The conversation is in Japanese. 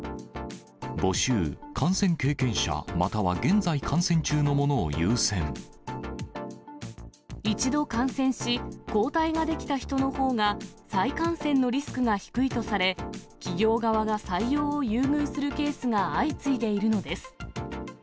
募集、感染経験者または現在、一度感染し、抗体が出来た人のほうが、再感染のリスクが低いとされ、企業側が採用を優遇するケースが相次いでいるのです。